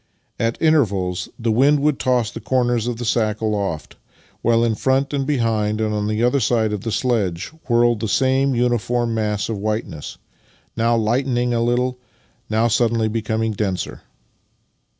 At intervals the wind would toss the corners of the sack aloft, while in front and behind and on either side of the sledge whirled the same uniform mass of whiteness — now lightening a little, now suddenly becoming denser.